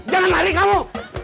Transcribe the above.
jangan lari kamu